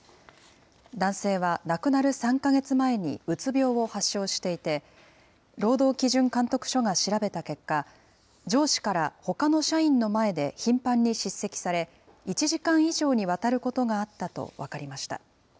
男性は亡くなる３か月前にうつ病を発症していて、労働基準監督署が調べた結果、上司からほかの社員の前で頻繁に叱責され、１時間以上にわたることがあったと分かりました。